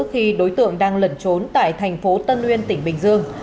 khi đối tượng đang lẩn trốn tại thành phố tân uyên tỉnh bình dương